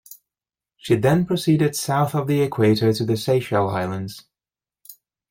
She then proceeded south of the equator to the Seychelle Islands.